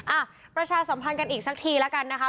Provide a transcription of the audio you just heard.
อ่ะประชาสัมพันธ์กันอีกสักทีแล้วกันนะคะ